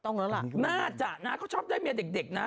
น่าจะนะเค้าชอบได้เมียเด็กนะ